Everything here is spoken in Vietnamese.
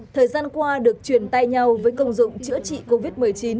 thời gian qua được truyền tay nhau với công dụng chữa trị covid một mươi chín